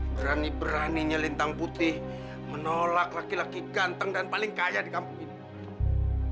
berani beraninya lintang putih menolak laki laki ganteng dan paling kaya di kampung ini